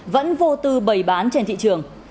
vẫn vô tư bày bán trên thị trường